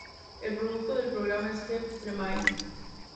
El productor del programa es Jeff Tremaine.